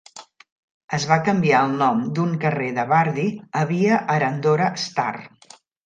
Es va canviar el nom d'un carrer de Bardi a "Via Arandora Star".